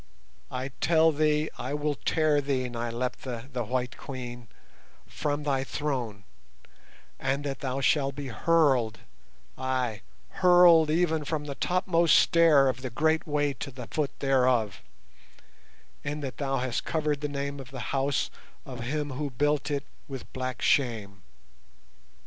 "I tell thee I will tear thee, Nyleptha, the White Queen, from thy throne, and that thou shalt be hurled—ay, hurled even from the topmost stair of the great way to the foot thereof, in that thou hast covered the name of the House of him who built it with black shame.